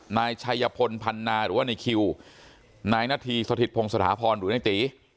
นายชัยพลพันนาหรือว่าในคิวนายนาธีสถิตพงศาพรหรือในตี